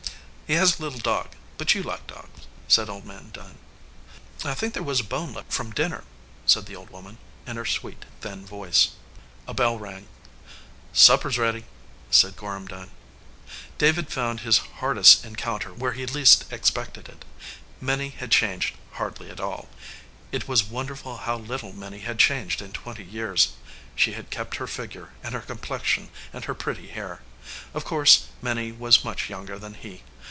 "He has a little dog, but you like dogs," said Old Man Dunn. "I think there was a bone left from dinner," said the old woman, in her sweet, thin voice. A bell rang. "Supper s ready," said Gorham Dunn. David found his hardest encounter where he least expected it. Minnie had changed hardly at all. It was wonderful how little Minnie had changed in twenty years. She had kept her figure and her complexion and her pretty hair. Of course, Minnie was much younger than he.